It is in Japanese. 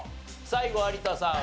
最後有田さん